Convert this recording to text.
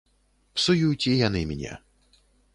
Псуюць і яны мне.